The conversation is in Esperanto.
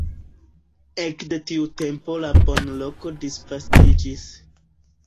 Ekde tiu tempo la banloko disvastiĝis.